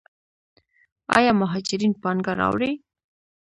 آیا مهاجرین پانګه راوړي؟